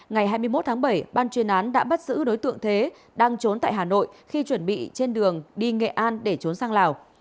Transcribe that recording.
ngày hai mươi một tháng bảy ban chuyên án đã bắt giữ đối tượng thế đang trốn tại hà nội khi chuẩn bị trên đường đi nghệ an để trốn sang lào